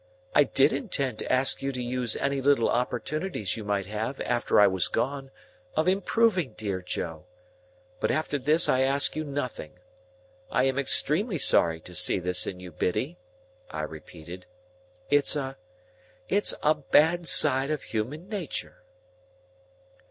I did intend to ask you to use any little opportunities you might have after I was gone, of improving dear Joe. But after this I ask you nothing. I am extremely sorry to see this in you, Biddy," I repeated. "It's a—it's a bad side of human nature."